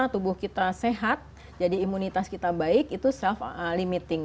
tubuh kita sehat jadi imunitas kita baik itu self limiting